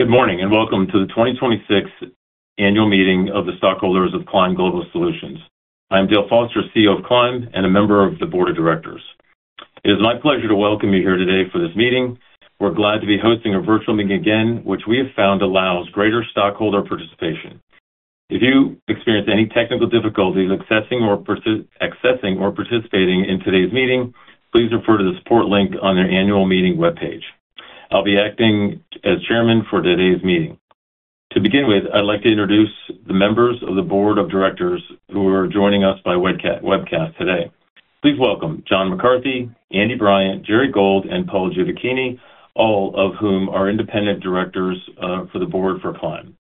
Good morning, and welcome to the 2026 Annual Meeting of the Stockholders of Climb Global Solutions. I'm Dale Foster, CEO of Climb and a Member of the Board of Directors. It is my pleasure to welcome you here today for this meeting. We're glad to be hosting a virtual meeting again, which we have found allows greater stockholder participation. If you experience any technical difficulties accessing or participating in today's meeting, please refer to the support link on our Annual Meeting webpage. I'll be acting as Chairman for today's meeting. To begin with, I'd like to introduce the Members of the Board of Directors who are joining us by webcast today. Please welcome John McCarthy, Andy Bryant, Gerri Gold, and Paul Giovacchini, all of whom are independent directors for the Board for Climb.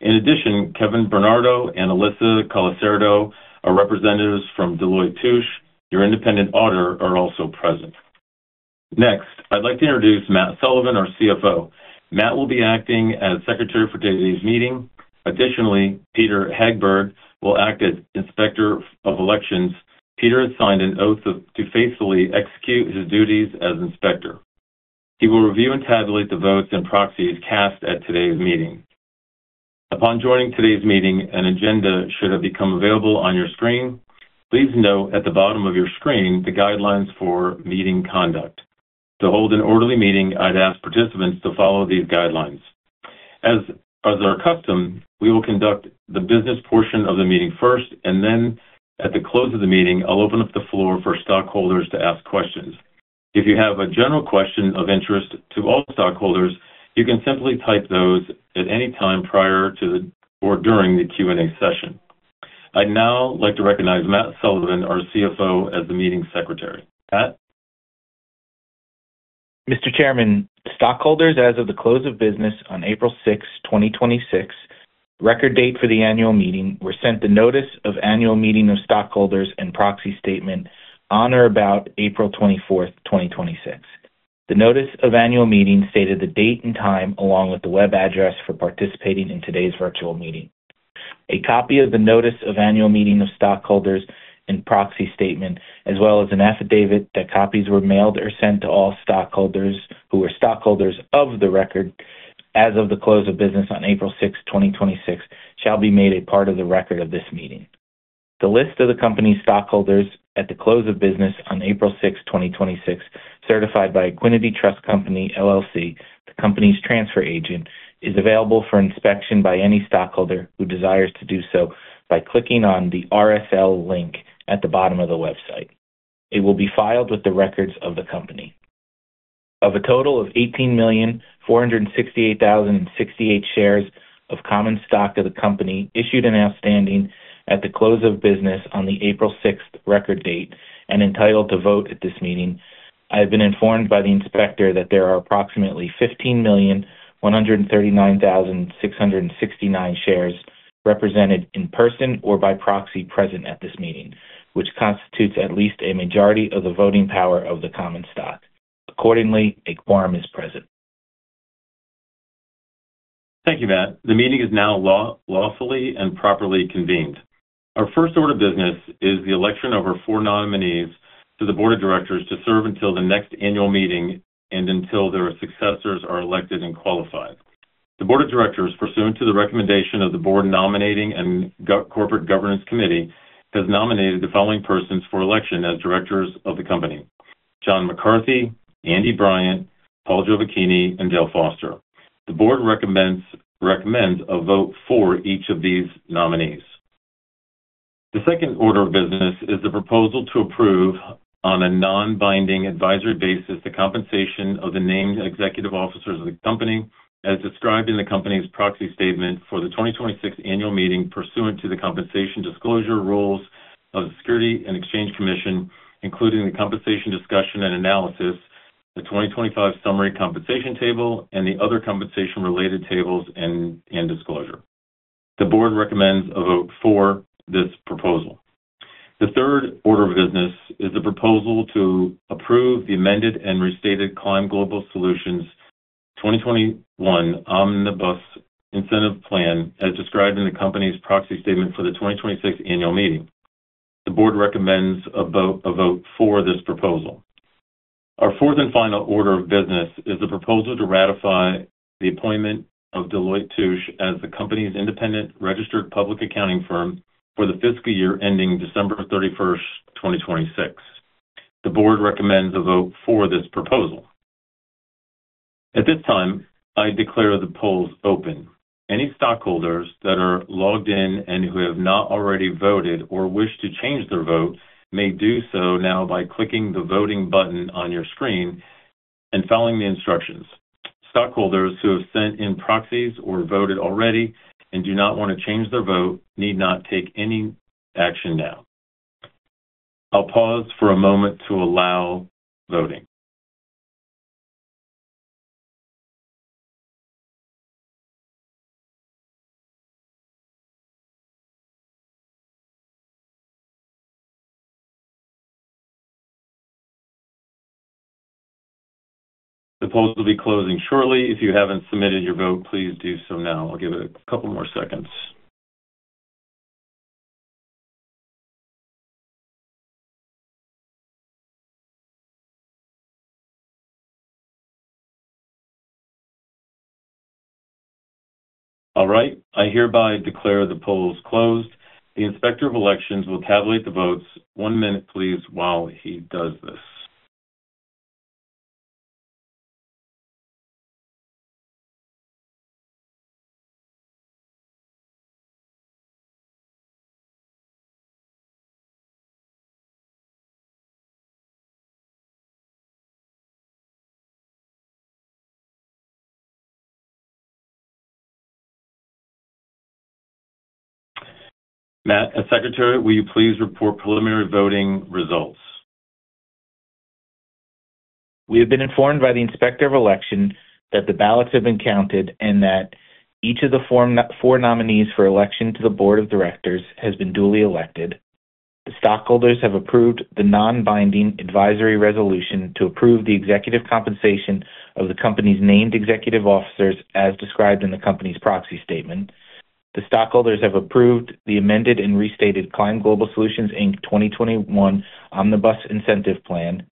In addition, Kevin Bernardo and Alyssa Colasurdo are representatives from Deloitte & Touche, your independent auditor, are also present. I'd like to introduce Matt Sullivan, our CFO. Matt will be acting as secretary for today's meeting. Peter Hagberg will act as Inspector of Elections. Peter has signed an oath to faithfully execute his duties as inspector. He will review and tabulate the votes and proxies cast at today's meeting. Upon joining today's meeting, an agenda should have become available on your screen. Please note at the bottom of your screen, the guidelines for meeting conduct. To hold an orderly meeting, I'd ask participants to follow these guidelines. As our custom, we will conduct the business portion of the meeting first, and then at the close of the meeting, I'll open up the floor for stockholders to ask questions. If you have a general question of interest to all stockholders, you can simply type those at any time prior to or during the Q&A session. I'd now like to recognize Matt Sullivan, our CFO, as the meeting secretary. Matt? Mr. Chairman, stockholders, as of the close of business on April 6th, 2026, record date for the Annual Meeting, were sent the Notice of Annual Meeting of Stockholders and Proxy Statement on or about April 24th, 2026. The Notice of Annual Meeting stated the date and time, along with the web address for participating in today's virtual meeting. A copy of the Notice of Annual Meeting of Stockholders and Proxy Statement, as well as an affidavit that copies were mailed or sent to all stockholders who were stockholders of the record as of the close of business on April 6th, 2026, shall be made a part of the record of this meeting. The list of the company's stockholders at the close of business on April 6th, 2026, certified by Equiniti Trust Company, LLC, the company's transfer agent, is available for inspection by any stockholder who desires to do so by clicking on the RSL link at the bottom of the website. It will be filed with the records of the company. Of a total of 18,468,068 shares of common stock of the company issued and outstanding at the close of business on the April 6th record date and entitled to vote at this meeting, I have been informed by the inspector that there are approximately 15,139,669 shares represented in-person or by proxy present at this meeting, which constitutes at least a majority of the voting power of the common stock. Accordingly, a quorum is present. Thank you, Matt. The meeting is now lawfully and properly convened. Our first order of business is the election of our four nominees to the Board of Directors to serve until the next Annual Meeting and until their successors are elected and qualified. The Board of Directors, pursuant to the recommendation of the Board Nominating and Corporate Governance Committee, has nominated the following persons for election as directors of the company: John McCarthy, Andy Bryant, Paul Giovacchini, and Dale Foster. The Board recommends a vote for each of these nominees. The second order of business is the proposal to approve, on a non-binding advisory basis, the compensation of the named executive officers of the company as described in the company's proxy statement for the 2026 Annual Meeting pursuant to the compensation disclosure rules of the Securities and Exchange Commission, including the Compensation Discussion and Analysis, the 2025 Summary Compensation Table, and the other compensation-related tables and disclosure. The Board recommends a vote for this proposal. The third order of business is a proposal to approve the amended and restated Climb Global Solutions 2021 Omnibus Incentive Plan as described in the company's proxy statement for the 2026 Annual Meeting. The Board recommends a vote for this proposal. Our fourth and final order of business is the proposal to ratify the appointment of Deloitte & Touche as the company's independent registered public accounting firm for the fiscal year ending December 31st, 2026. The Board recommends a vote for this proposal. At this time, I declare the polls open. Any stockholders that are logged in and who have not already voted or wish to change their vote may do so now by clicking the voting button on your screen and following the instructions. Stockholders who have sent in proxies or voted already and do not want to change their vote need not take any action now. I'll pause for a moment to allow voting. The polls will be closing shortly. If you haven't submitted your vote, please do so now. I'll give it a couple more seconds. I hereby declare the polls closed. The Inspector of Elections will tabulate the votes. One minute please, while he does this. Matt, as Secretary, will you please report preliminary voting results? We have been informed by the Inspector of Election that the ballots have been counted and that each of the four nominees for election to the Board of Directors has been duly elected. The stockholders have approved the non-binding advisory resolution to approve the executive compensation of the company's named executive officers as described in the company's proxy statement. The stockholders have approved the amended and restated Climb Global Solutions, Inc. 2021 Omnibus Incentive Plan,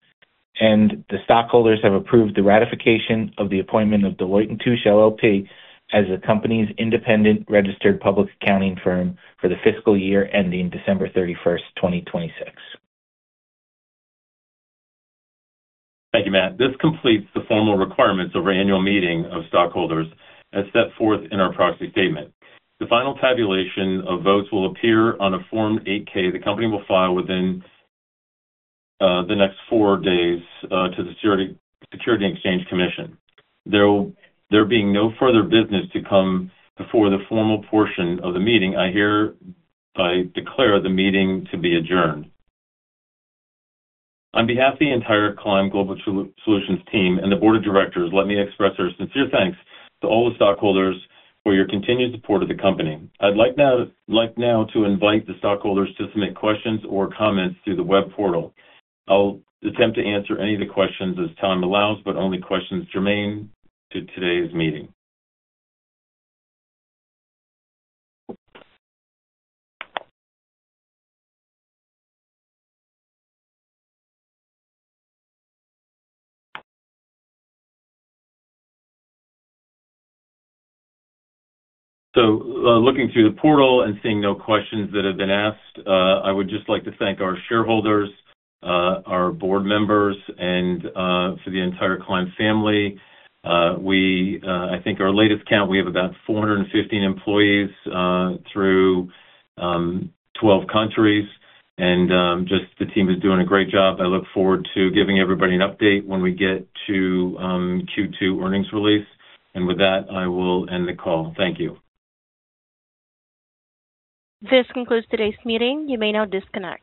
and the stockholders have approved the ratification of the appointment of Deloitte & Touche LLP as the company's independent registered public accounting firm for the fiscal year ending December 31st, 2026. Thank you, Matt. This completes the formal requirements of our Annual Meeting of Stockholders as set forth in our proxy statement. The final tabulation of votes will appear on a Form 8-K the company will file within the next four days to the Securities and Exchange Commission. There being no further business to come before the formal portion of the meeting, I hereby declare the meeting to be adjourned. On behalf of the entire Climb Global Solutions team and the Board of Directors, let me express our sincere thanks to all the stockholders for your continued support of the company. I'd like now to invite the stockholders to submit questions or comments through the web portal. I'll attempt to answer any of the questions as time allows, but only questions germane to today's meeting. Looking through the portal and seeing no questions that have been asked, I would just like to thank our shareholders, our Board members, and for the entire Climb family. I think our latest count, we have about 415 employees through 12 countries, and just the team is doing a great job. I look forward to giving everybody an update when we get to Q2 earnings release. With that, I will end the call. Thank you. This concludes today's meeting. You may now disconnect.